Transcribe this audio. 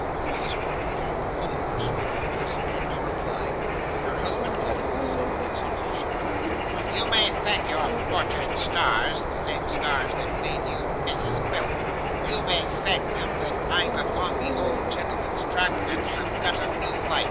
Mrs Quilp being fully persuaded of this, made no reply. Her husband added with some exultation, 'But you may thank your fortunate stars the same stars that made you Mrs Quilp you may thank them that I'm upon the old gentleman's track, and have got a new light.